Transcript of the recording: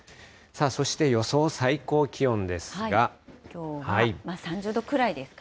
そして予想最高気温ですが。